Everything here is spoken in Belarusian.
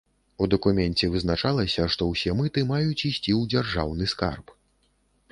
У дакуменце вызначалася, што ўсе мыты маюць ісці ў дзяржаўны скарб.